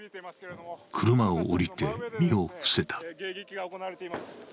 車を降りて、身を伏せた。